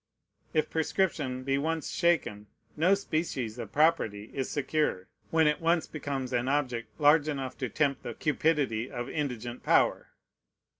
If prescription be once shaken, no species of property is secure, when it once becomes an object large enough to tempt the cupidity of indigent power.